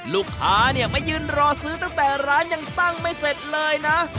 ลูกค้าเนี่ยมายืนรอซื้อตั้งแต่ร้านยังตั้งไม่เสร็จเลยนะ